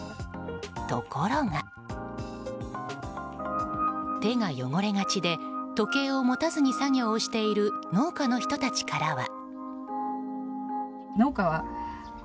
ところが手が汚れがちで時計を持たずに作業している農家の人たちからは。